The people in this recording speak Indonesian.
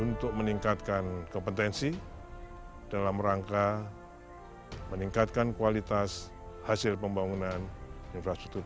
untuk meningkatkan kompetensi dalam rangka meningkatkan kualitas hasil pembangunan infrastruktur